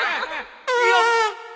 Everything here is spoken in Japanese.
よっ！